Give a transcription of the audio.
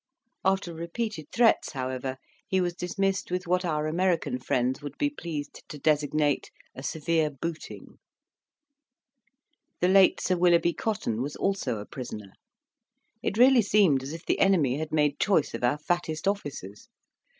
After repeated threats, however, he was dismissed with what our American friends would be pleased to designate "a severe booting." The late Sir Willoughby Cotton was also a prisoner. It really seemed as if the enemy had made choice of our fattest officers.